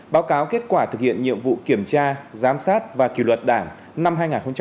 báo cáo kết quả thực hiện nhiệm vụ kiểm tra giám sát và kỷ luật đảng năm hai nghìn một mươi chín